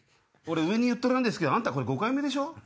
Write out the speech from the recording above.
俺上に言っとらんですけどあんた５回目でしょ？